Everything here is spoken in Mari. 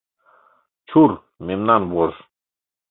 — Чур, мемнан вож!